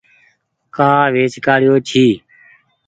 ڪآ ويچ ڪآڙيو ڇي۔